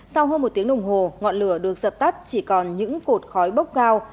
sau hơn một tiếng đồng hồ ngọn lửa được dập tắt chỉ còn những cột khói bốc cao